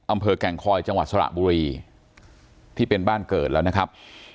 อำเภอแก่งคอยจังหวัดสระบุรีที่เป็นบ้านเกิดแล้วนะครับ